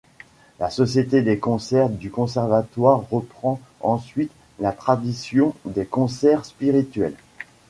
La Société des concerts du Conservatoire reprend ensuite la tradition des concerts spirituels.